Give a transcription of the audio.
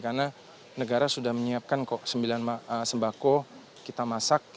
karena negara sudah menyiapkan kok sembilan sembako kita masak